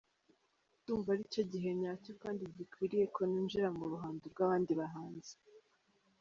Ndumva ari cyo gihe nyacyo kandi gikwiriye ko nijira mu ruhando rw’abandi bahanzi.